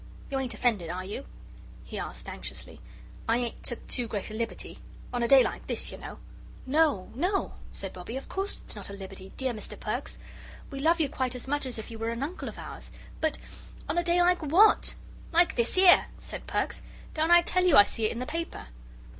"You ain't offended, are you?" he asked anxiously. "I ain't took too great a liberty? On a day like this, you know " "No, no," said Bobbie, "of course it's not a liberty, dear Mr. Perks; we love you quite as much as if you were an uncle of ours but on a day like WHAT?" "Like this 'ere!" said Perks. "Don't I tell you I see it in the paper?"